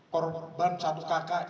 korban satu kakak